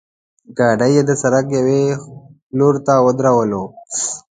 ګاډۍ یې د سړک یوې لورته ودروله.